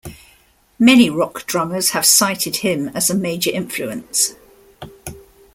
Many rock drummers have cited him as a major influence.